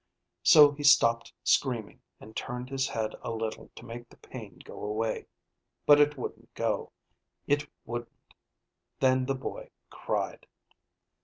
So he stopped screaming and turned his head a little to make the pain go away. But it wouldn't go. It wouldn't. Then the boy cried.